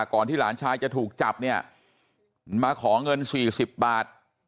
ที่หลานชายจะถูกจับเนี่ยมาขอเงิน๔๐บาท